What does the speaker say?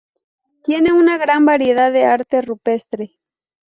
Tiene una gran variedad de arte rupestre.